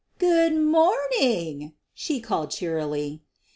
"Good morning," she called cheerily.